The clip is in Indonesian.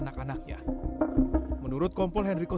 sebenarnya kenapa saya masih hidup